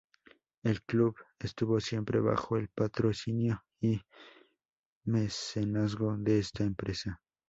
El club estuvo siempre bajo el patrocinio y mecenazgo de esta empresa.